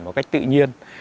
một cách tự nhiên